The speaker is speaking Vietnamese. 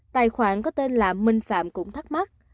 tài khoản có tên là minh phạm cũng thắc mắc